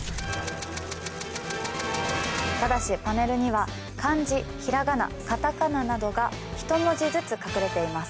ただしパネルには漢字ひらがなカタカナなどが１文字ずつ隠れています